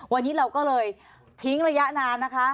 วันนี้เราก็เลยทิ้งระยะนานนะคะ